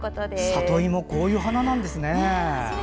里芋ってこういう花なんですね。